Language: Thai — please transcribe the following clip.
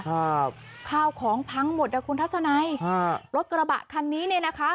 ข้าวของพังหมดอ่ะคุณทัศนัยฮะรถกระบะคันนี้เนี่ยนะคะ